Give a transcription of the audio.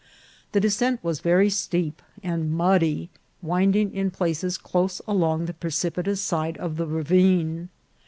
The descent was very steep and muddy, winding in places close along the precipitous side of the ravine.